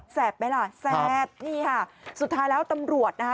ไหมล่ะแสบนี่ค่ะสุดท้ายแล้วตำรวจนะคะ